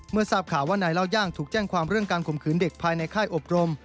ทราบข่าวว่านายเล่าย่างถูกแจ้งความเรื่องการข่มขืนเด็กภายในค่ายอบรม